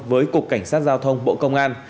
với cục cảnh sát giao thông bộ công an